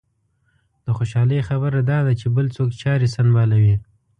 د خوشالۍ خبره دا ده چې بل څوک چارې سنبالوي.